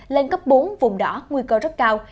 lên cấp bốn vùng đỏ nguy cơ rất cao